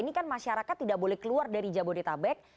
ini kan masyarakat tidak boleh keluar dari jabodetabek